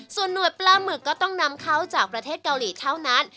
ส่วนหน่วยปลาหมึกก็ต้องนำเข้าจากประเทศเกาหลีเท่านั้น